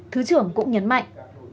thứ trưởng cũng nhấn mạnh